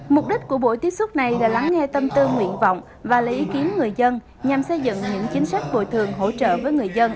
mục đích của buổi tiếp xúc này là lắng nghe tâm tư nguyện vọng và lấy ý kiến người dân nhằm xây dựng những chính sách bồi thường hỗ trợ với người dân